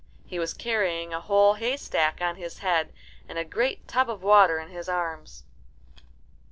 He was carrying a whole haystack on his head and a great tub of water in his arms.